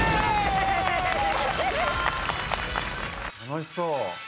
楽しそう。